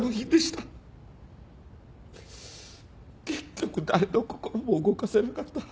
結局誰の心も動かせなかった。